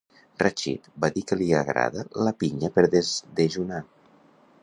Rachid va dir que li agrada la pinya per desdejunar.